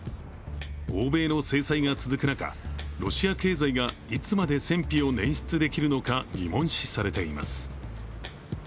欧米の制裁が続く中、ロシア経済がいつまで戦費を捻出できるのか疑問視されています。